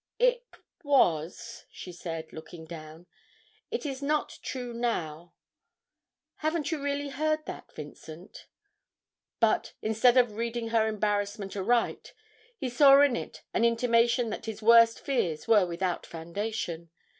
'It was,' she said, looking down; 'it is not true now. Haven't you really heard that, Vincent?' But, instead of reading her embarrassment aright, he saw in it an intimation that his worst fears were without foundation.